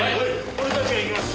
俺たちが行きます！